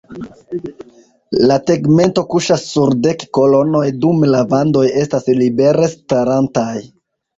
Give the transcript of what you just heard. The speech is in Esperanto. La tegmento kuŝas sur dek kolonoj dume la vandoj estas libere starantaj.